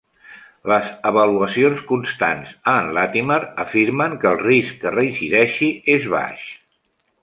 Les avaluacions constants a en Latimer afirmen que el risc que reincideixi és baix.